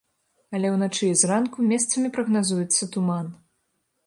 Але ўначы і зранку месцамі прагназуецца туман.